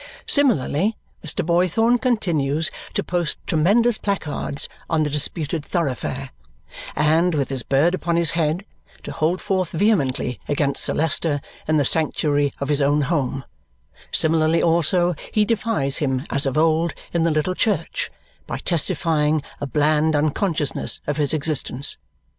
Similarly, Mr. Boythorn continues to post tremendous placards on the disputed thoroughfare and (with his bird upon his head) to hold forth vehemently against Sir Leicester in the sanctuary of his own home; similarly, also, he defies him as of old in the little church by testifying a bland unconsciousness of his existence.